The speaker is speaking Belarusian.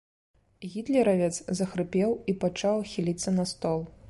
Гітлеравец захрыпеў і пачаў хіліцца на стол.